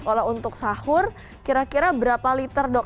kalau untuk sahur kira kira berapa liter dok